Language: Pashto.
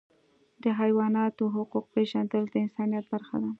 د حیواناتو حقوق پیژندل د انسانیت برخه ده.